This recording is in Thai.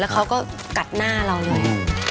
เขาก็กัดหน้าเราเลย